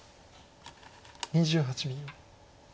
２８秒。